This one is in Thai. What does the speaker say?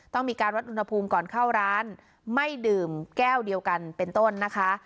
ต้องมีการวัดอุณหภูมิก่อนเข้าร้านไม่ดื่มแก้วเดียวกันเป็นต้นนะคะ